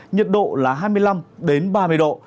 nhiệt độ là hai mươi năm ba mươi độ